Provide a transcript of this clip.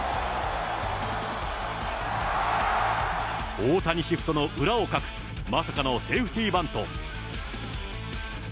大谷シフトの裏をかく、まさかのセーフティーバント。